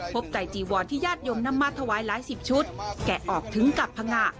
ไก่จีวอนที่ญาติโยมนำมาถวายหลายสิบชุดแกะออกถึงกับพังงะ